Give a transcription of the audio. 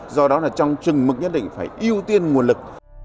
do đó là trong trừng mực nhất định phải ưu tiên nguồn lực